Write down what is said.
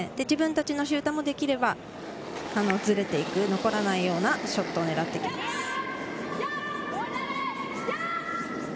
自分たちのシューターもできればズレて残らないようなショットねらってきます。